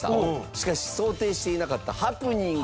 しかし想定していなかったハプニングが。